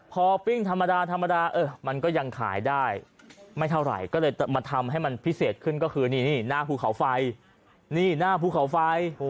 พอปิ้งธรรมดามันก็ยังขายได้ไม่เท่าไหร่ก็เลยมาทำให้มันพิเศษขึ้นก็คือนี่หน้าภูเขาไฟ